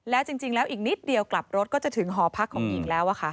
แล้วจริงแล้วอีกนิดเดียวกลับรถก็จะถึงหอพักของหญิงแล้ว